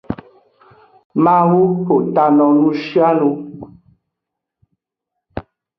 Mawu xo ta no nushianu.